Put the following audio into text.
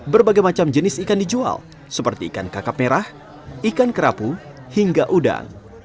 berbagai macam jenis ikan dijual seperti ikan kakap merah ikan kerapu hingga udang